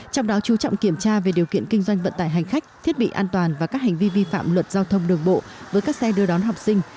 trong đó chú trọng kiểm tra về điều kiện kinh doanh vận tải hành khách thiết bị an toàn và các hành vi vi phạm luật giao thông đường bộ với các xe đưa đón học sinh